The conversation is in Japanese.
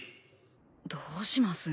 どうします？